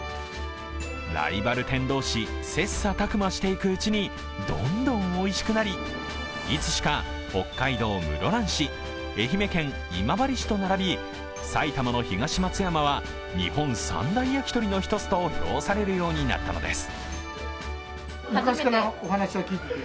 ライバル店同士、切磋琢磨していくうちにどんどんおいしくなりいつしか北海道室蘭市、愛媛県今治市と並び、埼玉の東松山は日本三大やきとりの一つと評されるようになったのです。